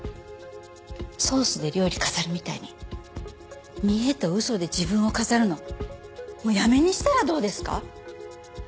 ソースで料理飾るみたいに見えと嘘で自分を飾るのもうやめにしたらどうですか？